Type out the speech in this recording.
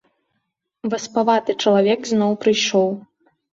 Васпаваты чалавек зноў прыйшоў.